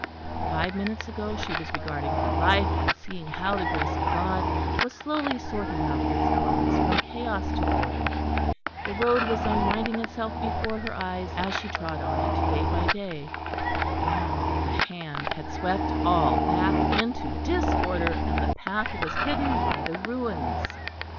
Five minutes ago she was regarding her life and seeing how the Grace of God was slowly sorting out its elements from chaos to order the road was unwinding itself before her eyes as she trod on it day by day now a hand had swept all back into disorder, and the path was hidden by the ruins.